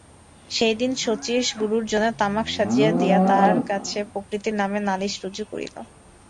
সেইদিন শচীশ গুরুর জন্য তামাক সাজিয়া দিয়া তাঁর কাছে প্রকৃতির নামে নালিশ রুজু করিল।